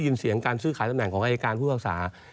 เป็นเสียงการซื้อขายตำแหน่งของอายการผู้ศักดิ์ศาสตร์